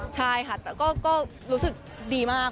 ใช่ค่ะแต่ก็รู้สึกดีมาก